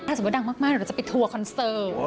ถ้าสมมุติดังมากเราจะไปทัวร์คอนเสิร์ต